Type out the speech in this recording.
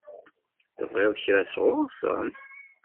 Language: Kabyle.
Tebɣiḍ kra sɣur-sen?